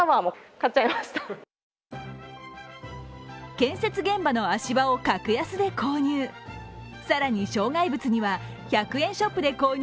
建設現場の足場を格安で購入。